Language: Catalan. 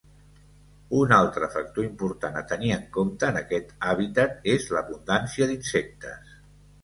Un altre factor important a tenir en compte en aquest hàbitat és l'abundància d'insectes.